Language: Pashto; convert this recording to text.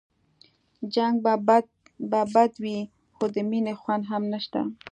جنګ به بد وي خو د مينې خوند هم نشته